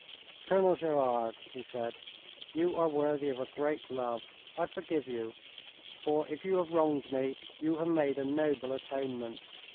"Colonel Gerard," he said, "you are worthy of a great love. I forgive you, for if you have wronged me you have made a noble atonement.